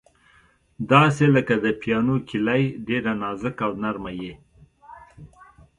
داسې لکه د پیانو کیلۍ، ډېره نازکه او نرمه یې.